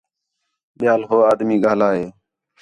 ٻِیال ہو آدمی ڳاھلا ہِے